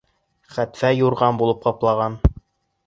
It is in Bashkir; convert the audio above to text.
Хәтфә юрған булып ҡаплаған.